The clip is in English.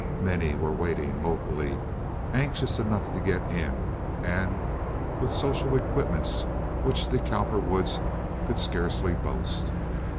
Many were waiting locally, anxious enough to get in, and with social equipments which the Cowperwoods could scarcely boast.